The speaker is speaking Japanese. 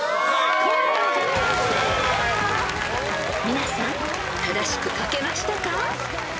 ［皆さん正しく書けましたか？］